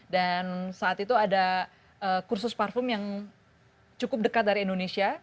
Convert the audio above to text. saat itu ada kursus parfum yang cukup dekat dari indonesia